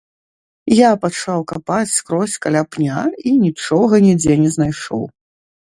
Я пачаў капаць скрозь каля пня і нічога нідзе не знайшоў.